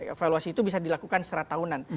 evaluasi itu bisa dilakukan secara tahunan